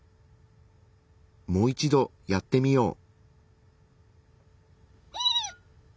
もう一度やってみよう。